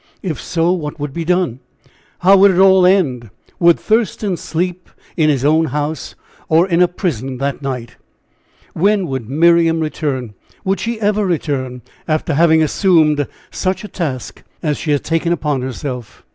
If so, what would be done? How would it all end? Would Thurston sleep in his own house or in a prison that night? When would Miriam return? Would she ever return, after having assumed such a task as she had taken upon herself?"